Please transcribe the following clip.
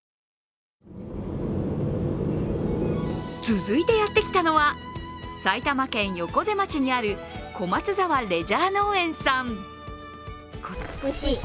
続いてやってきたのは埼玉県横瀬町にある小松沢レジャー農園さん。